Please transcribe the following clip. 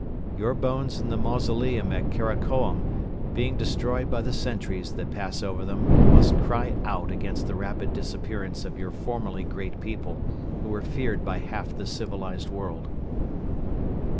Your bones in the mausoleum at Karakorum being destroyed by the centuries that pass over them must cry out against the rapid disappearance of your formerly great people, who were feared by half the civilized world!"